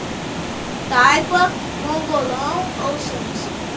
Taipa, mongolão ou sonsa